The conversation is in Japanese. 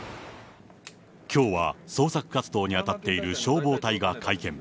きょうは捜索活動に当たっている消防隊が会見。